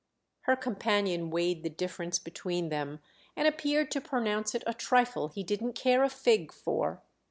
Her companion weighed the difference between them and appeared to pronounce it a trifle he didn't care a fig for.